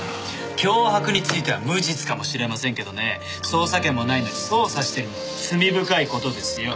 脅迫については無実かもしれませんけどね捜査権もないのに捜査してるのは罪深い事ですよ。